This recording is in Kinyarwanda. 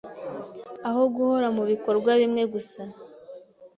aho guhora mu bikorwa bimwe gusa